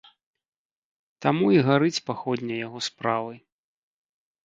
Таму і гарыць паходня яго справы.